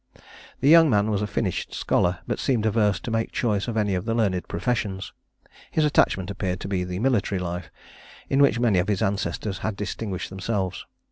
The young man was a finished scholar, but seemed averse to make choice of any of the learned professions. His attachment appeared to be to the military life, in which many of his ancestors had distinguished themselves.